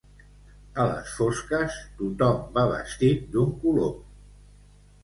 A les fosques, tothom va vestit d'un color.